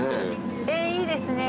えっいいですね。